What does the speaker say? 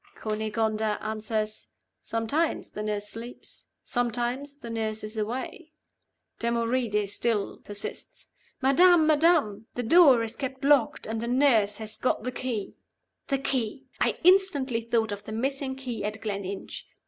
Cunegonda answers, 'Sometimes the nurse sleeps; sometimes the nurse is away.' Damoride still persists. 'Madam! madam! the door is kept locked, and the nurse has got the key.'" The key! I instantly thought of the missing key at Gleninch.